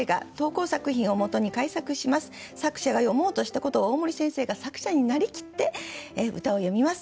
作者が詠もうとしたことを大森先生が作者になりきって歌を詠みます。